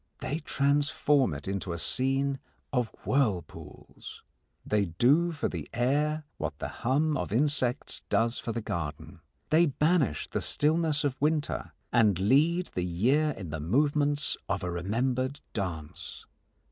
They transform it into a scene of whirlpools. They do for the air what the hum of insects does for the garden. They banish the stillness of winter and lead the year in the movements of a remembered dance.